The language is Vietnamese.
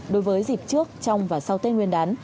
đối với dịp trước trong và sau tết nguyên đán